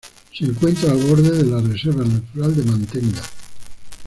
Se encuentra al borde de la Reserva Natural de Mantenga.